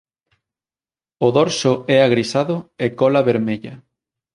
O dorso é agrisado e cola vermella.